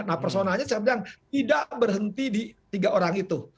nah personalnya saya bilang tidak berhenti di tiga orang itu